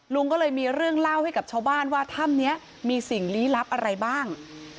ลุงก็เลยมีเรื่องเล่าให้กับชาวบ้านว่าถ้ำนี้มีสิ่งลี้ลับอะไรบ้าง